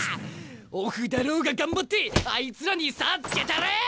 オフだろうが頑張ってあいつらに差ぁつけたらぁ！